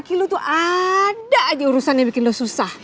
laki lu tuh ada aja urusan yang bikin lu susah